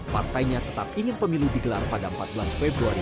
partainya tetap ingin pemilu digelar pada empat belas februari dua ribu dua puluh empat